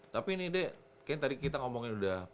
tapi ini deh kayaknya tadi kita ngomongin udah